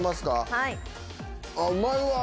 はい。